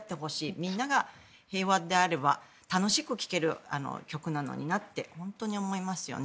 みんなが平和であれば楽しく聴ける曲なのになって本当に思いますよね。